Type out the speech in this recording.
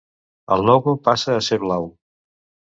El logo passa a ser blau.